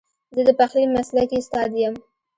زه د پخلي مسلکي استاد یم